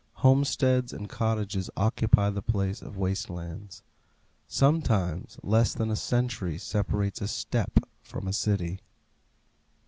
Homesteads and cottages occupy the place of waste lands. Sometimes less than a century separates a steppe from a city.